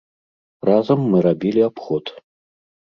Разам мы рабілі абход.